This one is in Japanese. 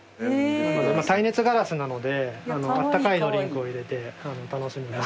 耐熱ガラスなのであったかいドリンクを入れて楽しんで。